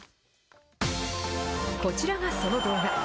こちらがその動画。